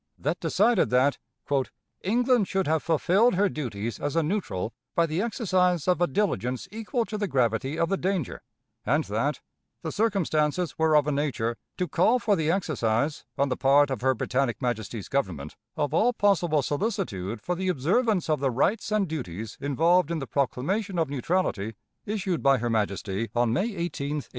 That decided that "England should have fulfilled her duties as a neutral by the exercise of a diligence equal to the gravity of the danger," and that "the circumstances were of a nature to call for the exercise, on the part of her Britannic Majesty's Government, of all possible solicitude for the observance of the rights and duties involved in the proclamation of neutrality issued by her Majesty on May 18, 1861."